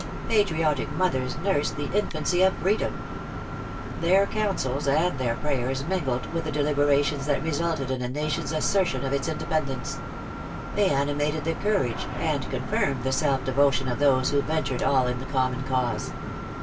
Patriotic mothers nursed the infancy of freedom. Their counsels and their prayers mingled with the deliberations that resulted in a nation's assertion of its independence. They animated the courage, and confirmed the selfdevotion of those who ventured all in the common cause.